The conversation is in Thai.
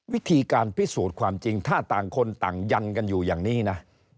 วิธีการพิสูจน์ความจริงถ้าต่างคนต่างยันกันอยู่อย่างนี้นะ